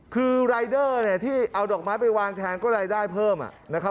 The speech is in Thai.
คือรายเดอร์เนี่ยที่เอาดอกไม้ไปวางแทนก็รายได้เพิ่มนะครับ